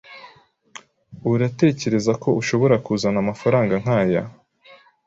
Uratekereza ko ushobora kuzana amafaranga nkaya?